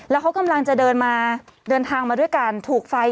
แล้วเขากำลังจะเดินมาเดินทางมาด้วยการถูกไฟ